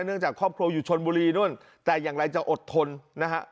จากครอบครัวอยู่ชนบุรีนู่นแต่อย่างไรจะอดทนนะฮะ